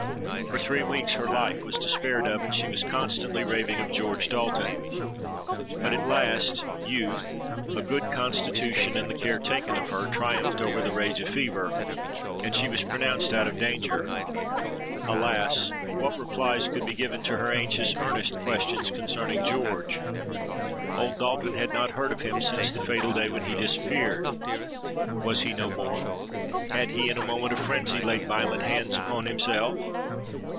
For three weeks her life was despaired of; and she was constantly raving of George Dalton. But at last, youth, a good constitution, and the care taken of her, triumphed over the rage of fever; and she was pronounced out of danger. Alas! what replies could be given to her anxious, earnest questions concerning George? Old Dalton had not heard of him since the fatal day when he disappeared. Was he no more? had he in a moment of frenzy laid violent hands upon himself?